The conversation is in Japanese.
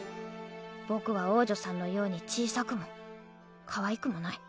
僕は王女さんのように小さくもかわいくもない。